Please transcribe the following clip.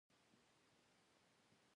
دا په ټاکلي وخت او میاشت کې وي.